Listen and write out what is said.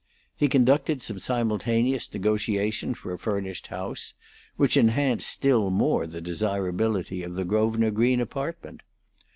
He conducted some simultaneous negotiation for a furnished house, which enhanced still more the desirability of the Grosvenor Green apartment.